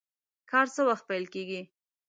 کار څه وخت پیل کیږي؟